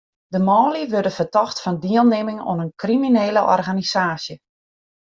De manlju wurde fertocht fan dielnimming oan in kriminele organisaasje.